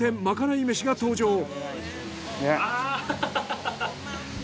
まかないめしが登場。